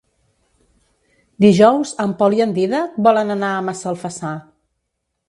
Dijous en Pol i en Dídac volen anar a Massalfassar.